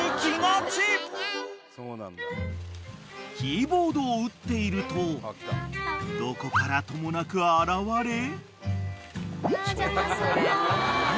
［キーボードを打っているとどこからともなく現れ］